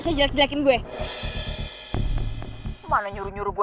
jangan sampai gue ketahuin bener bener gitu